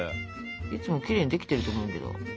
いつもきれいにできてると思うけど。